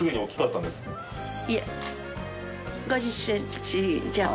いえ。